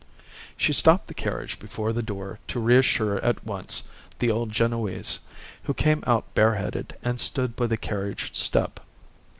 She stopped the carriage before the door to reassure at once the old Genoese, who came out bare headed and stood by the carriage step.